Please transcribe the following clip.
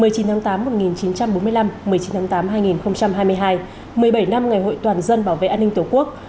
một mươi chín tháng tám một nghìn chín trăm bốn mươi năm một mươi chín tháng tám hai nghìn hai mươi hai một mươi bảy năm ngày hội toàn dân bảo vệ an ninh tổ quốc